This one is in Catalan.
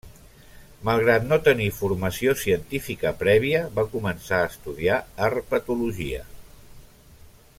Malgrat no tenir formació científica prèvia, va començar a estudiar Herpetologia.